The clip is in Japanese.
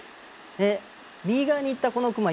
で右側に行ったこのクマ